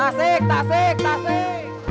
tasik tasik tasik